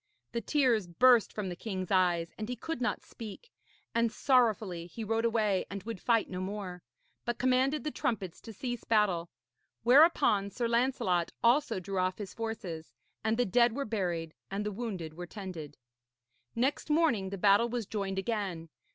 The tears burst from the king's eyes and he could not speak, and sorrowfully he rode away and would fight no more, but commanded the trumpets to cease battle. Whereupon Sir Lancelot also drew off his forces, and the dead were buried and the wounded were tended. Next morning the battle was joined again.